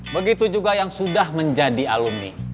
begitu juga yang sudah menjadi alumni